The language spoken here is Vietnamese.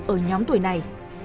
ở nhóm tuổi này